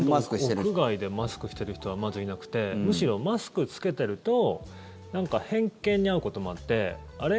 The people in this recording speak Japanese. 屋外でマスクしてる人はまずいなくてむしろマスク着けてるとなんか偏見に遭うこともあってあれ？